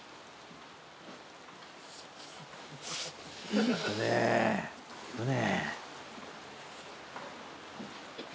いくねいくね。